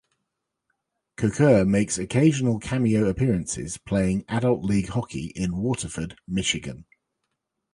Kocur makes occasional cameo appearances playing adult league hockey in Waterford, Michigan.